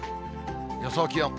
予想気温。